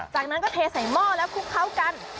จากนั้นก็เทใส่หม้อแล้วคลุกเคล้ากัน